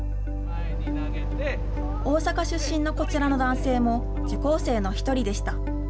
大阪出身のこちらの男性も受講生の１人でした。